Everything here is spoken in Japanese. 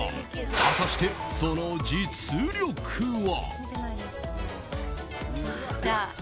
果たして、その実力は？